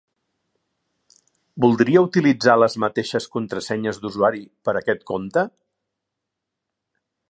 Voldria utilitzar les mateixes contrasenyes d'usuari per aquest compte?